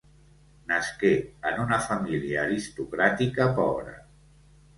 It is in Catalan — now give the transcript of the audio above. Nasqué en una família aristocràtica pobra.